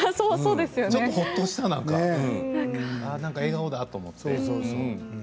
ちょっとほっとしたなんか笑顔だと思って。